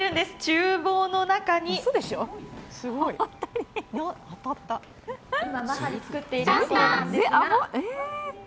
ちゅう房の中に、今まさに作っているところなんです。